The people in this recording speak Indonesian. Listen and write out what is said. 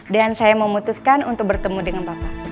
dan saya memutuskan untuk bertemu dengan bapak